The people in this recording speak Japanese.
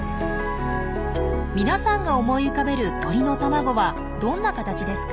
皆さんが思い浮かべる鳥の卵はどんな形ですか？